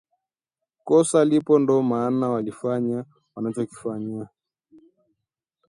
Kosa lipo nd’o maana walifanya walichonifanyia